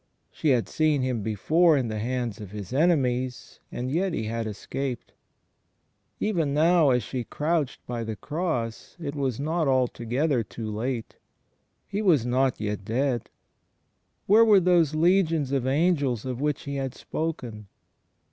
She had seen Him before in the hands of His enemies and yet He had escaped. Even now as she crouched by the l6o THE FRIENDSHIP OF CHRIST Cross, it was not altogether too late. He was not yet dead! ... Where were those legions of angels of which He had spoken?